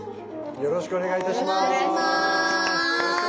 よろしくお願いします。